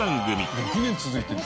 ６年続いてる。